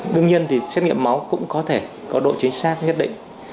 đương nhiên thì xét nghiệm máu cũng có thể có độ chính xác nhất định